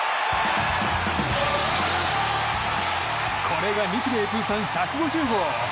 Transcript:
これが日米通算１５０号。